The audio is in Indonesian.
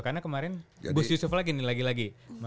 karena kemarin bus yusuf lagi nih lagi lagi